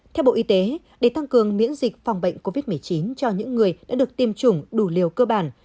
theo bộ y tế để tăng cường miễn dịch phòng bệnh covid một mươi chín cho những người đã được tiêm chủng đủ liều cơ bản